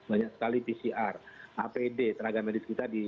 banyak sekali pcr apd tenaga medis kita di